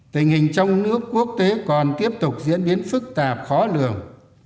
tình hình trong nước quốc tế còn tiếp tục diễn biến phức tạp khó lường